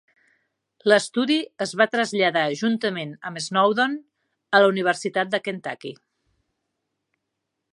L'estudi es va traslladar juntament amb Snowdon a la Universitat de Kentucky.